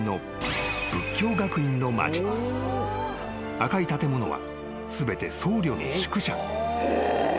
［赤い建物は全て僧侶の宿舎］